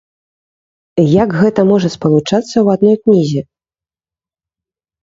Як гэта можа спалучацца ў адной кнізе?